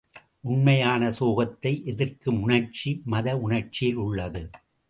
உண்மையான சோகத்தை எதிர்க்கும் உணர்ச்சி மத உணர்ச்சியில் உள்ளது.